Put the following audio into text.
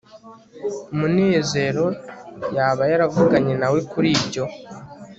munezero yaba yaravuganye nawe kuri ibyo